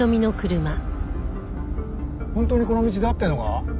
本当にこの道で合ってるのか？